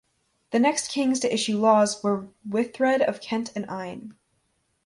The next kings to issue laws were Wihtred of Kent and Ine.